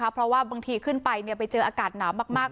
เพราะว่าบางทีขึ้นไปไปเจออากาศหนาวมาก